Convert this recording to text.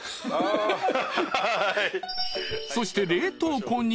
［そして］